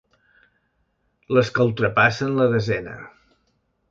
Les que ultrapassen la desena.